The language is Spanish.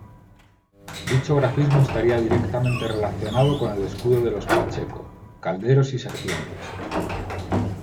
Dicho grafismo estaría directamente relacionado con el escudo de los Pacheco –calderos y serpientes–.